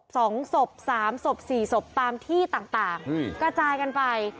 สองศพสามศพสี่ศพตามที่ต่างต่างอืมกระจายกันไป